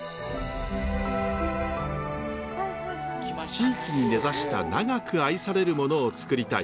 地域に根ざした長く愛されるものを作りたい。